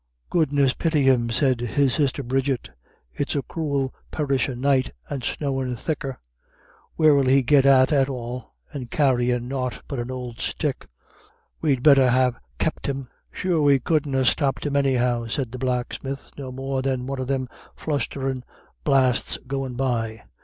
"Goodness pity him," said his sister Bridget. "It's a cruel perishin' night, and snowin' thicker. Where'll he get to at all? And carryin' nought but an old stick. We'd better ha' kep' him." "Sure we couldn't ha' stopped him anyhow," said the blacksmith, "no more than one of them flustherin' blasts goin' by.